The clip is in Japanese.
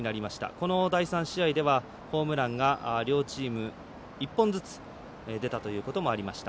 この第３試合ではホームランが両チーム１本ずつ出たということもありました。